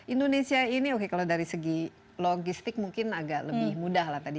indonesia ini oke kalau dari segi logistik mungkin agak lebih mudah lah tadi